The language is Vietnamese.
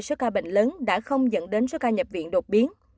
số ca bệnh lớn đã không dẫn đến số ca nhập viện đột biến